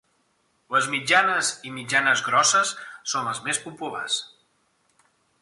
Les mitjanes i mitjanes-grosses són les més populars.